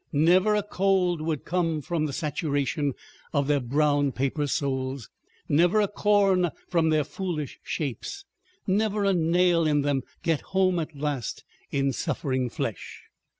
Never a cold would come from the saturation of their brown paper soles, never a corn from their foolish shapes, never a nail in them get home at last in suffering flesh.